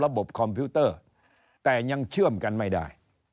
คอมพิวเตอร์แต่ยังเชื่อมกันไม่ได้